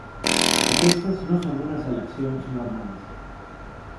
Aquestes no són unes eleccions normals.